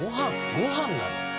ご飯なの？